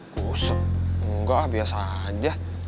kusut enggak biasa aja